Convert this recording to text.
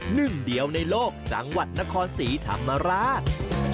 หนึ่งเดียวในโลกจังหวัดนครศรีธรรมราช